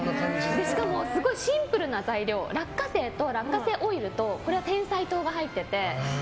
しかもすごいシンプルな材料落花生と、落花生オイルとこれはてんさい糖が入ってて。